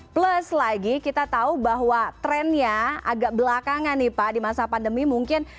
plus lagi kita tahu bahwa trennya agak belakangan nih pak di masa pandemi mungkin